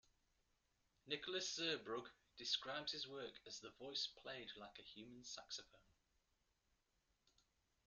Nicholas Zurbrugg describes his work as "the voice played like a human saxophone".